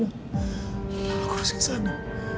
aku harus ke sana